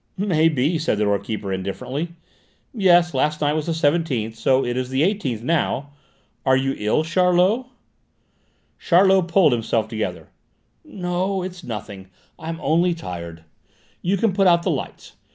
"May be," said the door keeper indifferently; "yes, last night was the seventeenth, so it is the eighteenth now! Are you ill, Charlot?" Charlot pulled himself together. "No, it's nothing; I'm only tired. You can put out the lights.